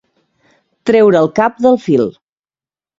Treure el cap del fil.